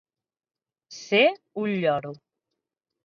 Ser un lloro.